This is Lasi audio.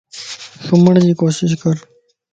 سمجھڙ جي ڪوشش ڪر